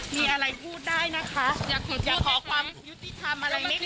มีอะไรพูดได้นะคะ